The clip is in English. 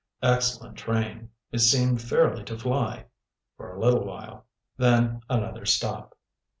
Excellent train, it seemed fairly to fly. For a little while. Then another stop.